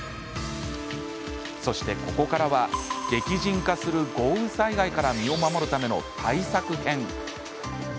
そして、ここからは激甚化する豪雨災害から身を守るための対策編。